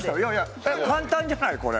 簡単じゃないこれ。